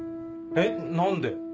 えっ何で？